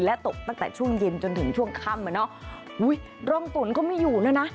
และตกตั้งแต่ช่วงเย็นจนถึงช่วงค่ำอ่ะเนอะอุ้ยร่องฝนก็ไม่อยู่แล้วนะ